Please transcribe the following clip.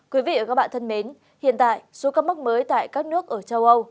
quý vị và các bạn thân mến hiện tại số ca mắc mới tại các nước ở châu âu